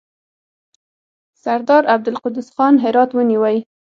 سردار عبدالقدوس خان هرات ونیوی.